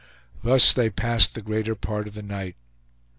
Thus they passed the greater part of the night.